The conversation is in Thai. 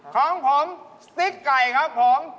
ของผมสติ๊กไก่ครับผม